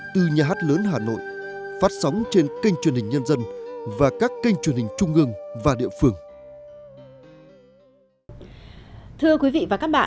từ nhà hát lớn hà nội